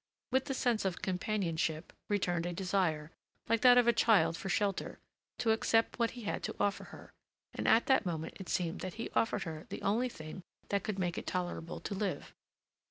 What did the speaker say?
With the sense of companionship returned a desire, like that of a child for shelter, to accept what he had to offer her—and at that moment it seemed that he offered her the only thing that could make it tolerable to live.